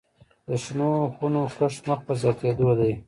د شنو خونو کښت مخ په زیاتیدو دی